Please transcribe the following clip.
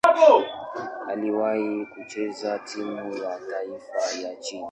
Aliwahi kucheza timu ya taifa ya Chile.